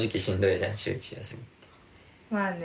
まあね。